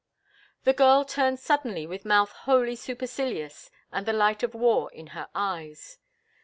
The girl turned suddenly with mouth wholly supercilious and the light of war in her eyes.